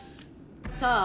さあ